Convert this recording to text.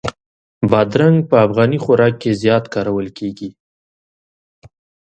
بادرنګ په افغاني خوراک کې زیات کارول کېږي.